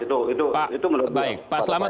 itu menurut saya